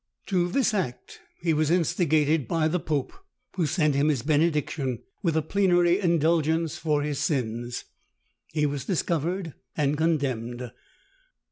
To this act he was instigated by the pope, who sent him his benediction, with a plenary indulgence for his sins. He was discovered and condemned.